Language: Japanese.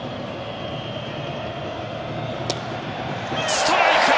ストライク！